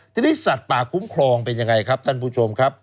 ทีนี้สัตว์ป่าคุ้มครองเป็นยังไงครับท่านผู้ชมครับ